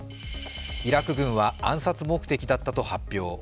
イラク軍は暗殺目的だったと発表。